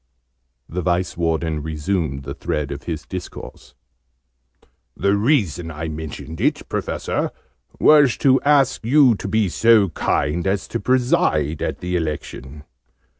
The Vice Warden resumed the thread of his discourse. "The reason I mentioned it, Professor, was to ask you to be so kind as to preside at the Election.